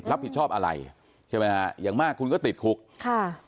รับผิดชอบอะไรใช่ไหมฮะอย่างมากคุณก็ติดคุกค่ะ